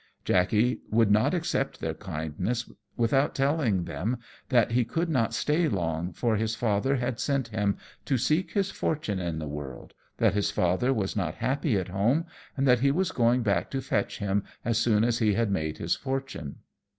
Jackey would not accept their kindness without telling them that he could not stay long, for his father had sent him to seek his fortune in the world, that his father was not happy at home, and that he was going back to fetch him as soon as he had made his fortune.